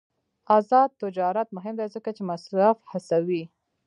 آزاد تجارت مهم دی ځکه چې مصرف هڅوي.